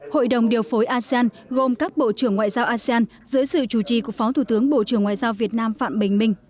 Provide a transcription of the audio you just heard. hội đồng điều phối asean gồm các bộ trưởng ngoại giao asean dưới sự chủ trì của phó thủ tướng bộ trưởng ngoại giao việt nam phạm bình minh